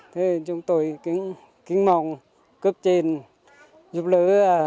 thế chúng tôi kính mong cướp trên giúp lỡ